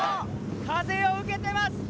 風を受けてます。